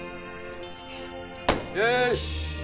よし！